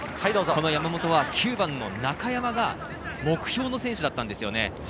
山本は９番の中山が目標の選手だったんですね。